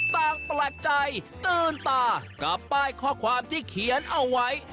แปลกใจตื่นตากับป้ายข้อความที่เขียนเอาไว้